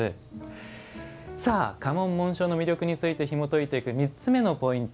家紋・紋章の魅力についてひもといていく３つ目のポイント